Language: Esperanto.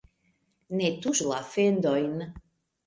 Ne tuŝu la fendojn